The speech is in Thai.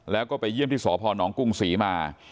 แล้วก็ไปเยี่ยมที่สพนกรุงศรีมา